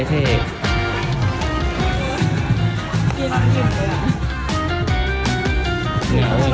เหงาเหรอน้องเหงาคนเดียว